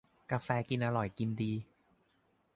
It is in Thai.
กาแฟกินอร่อยกินดี